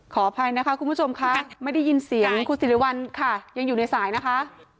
ขออภัยนะคะคุณผู้ชมค่ะไม่ได้ยินเสียงคุณสิริวัลค่ะยังอยู่ในสายนะคะ